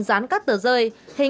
giải quyết các lực lượng khách hàng